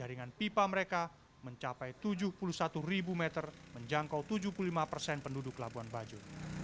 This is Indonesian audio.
jaringan pipa mereka mencapai tujuh puluh satu ribu meter menjangkau tujuh puluh lima persen penduduk labuan bajo